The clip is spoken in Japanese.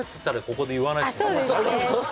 そうですね